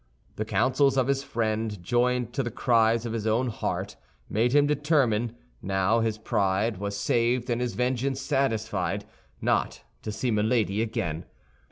The counsels of his friend, joined to the cries of his own heart, made him determine, now his pride was saved and his vengeance satisfied, not to see Milady again.